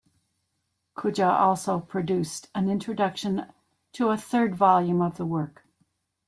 Kujau also produced an introduction to a third volume of the work.